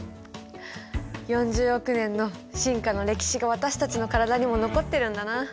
４０億年の進化の歴史が私たちの体にも残ってるんだな。